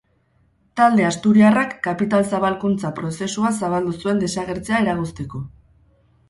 Talde asturiarrak kapital-zabalkuntza prozesua zabaldu zuen desagertzea eragozteko.